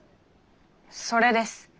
それです。